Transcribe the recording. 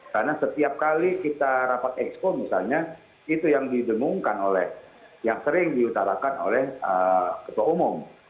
karena setiap kali kita rapat expo misalnya itu yang dijemungkan oleh yang sering diutarakan oleh ketua umum